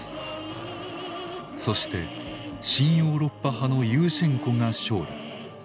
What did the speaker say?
そして親ヨーロッパ派のユーシェンコが勝利。